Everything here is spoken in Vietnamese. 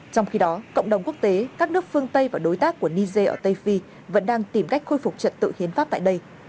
trong khi đó cộng đồng quốc tế các nước phương tây và đối tác của niger ở tây phi vẫn đang tìm cách khôi phục trật tự hiến pháp tại đây